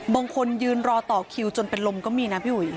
บางคนยืนรอต่อคิวจนเป็นลมก็มีนะพี่อุ๋ย